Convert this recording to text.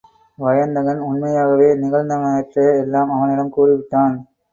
வயந்தகன் உண்மையாக நிகழ்ந்தவற்றை எல்லாம் அவனிடம் கூறிவிட்டான்.